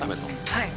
はい。